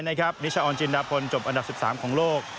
นิชออนจินดาพลจบอันดับ๑๓ของโลก